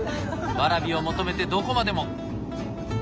ワラビを求めてどこまでも。